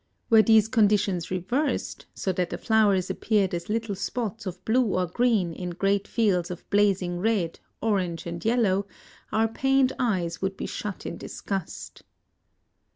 Were these conditions reversed, so that the flowers appeared as little spots of blue or green in great fields of blazing red, orange, and yellow, our pained eyes would be shut in disgust.